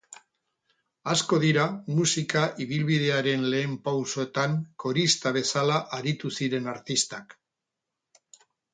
Asko dira musika ibilbidearen lehen pausoetan korista bezala aritu ziren artistak.